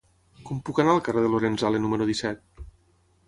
Com puc anar al carrer de Lorenzale número disset?